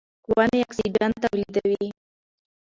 ونې اکسیجن تولیدوي.